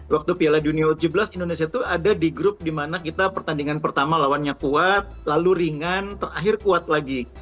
waktu piala dunia u tujuh belas indonesia itu ada di grup dimana kita pertandingan pertama lawannya kuat lalu ringan terakhir kuat lagi